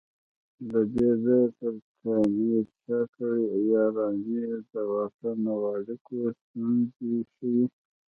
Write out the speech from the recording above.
له دې ځای تر کامې چا کړي یارانې د واټن او اړیکو ستونزې ښيي